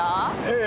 ええ。